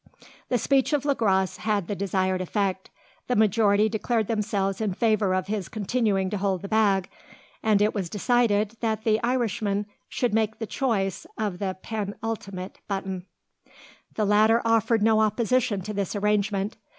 The speech of Le Gros had the desired effect. The majority declared themselves in favour of his continuing to hold the bag; and it was decided that the Irishman should make choice of the penultimate button. The latter offered no opposition to this arrangement.